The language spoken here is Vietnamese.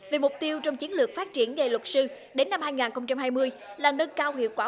vì mục tiêu trong chiến lược phát triển nghề luật sư đến năm hai nghìn hai mươi là nâng cao hiệu quả